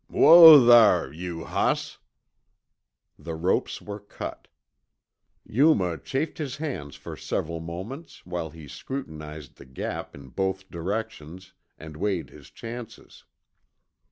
"Whoa thar, you, hoss." The ropes were cut. Yuma chafed his hands for several moments while he scrutinized the Gap in both directions, and weighed his chances.